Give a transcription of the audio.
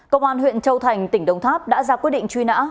công an huyện châu thành tỉnh đồng tháp đã ra quyết định truy nã